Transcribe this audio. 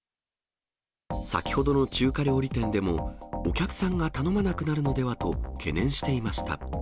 先ほどの中華料理店でも、お客さんが頼まなくなるのではと懸念していました。